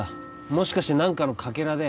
もしかして何かのカケラで